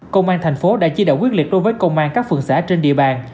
công an thành phố đã chi đạo quyết liệt đối với công an các phương xã trên địa bàn